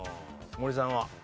森さんは？